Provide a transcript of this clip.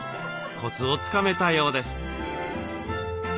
コツをつかめたようです。